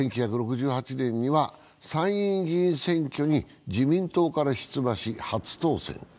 １９６８年には参院議員選挙に自民党から出馬し、初当選。